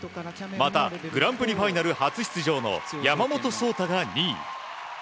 またグランプリファイナル初出場の山本草太が２位。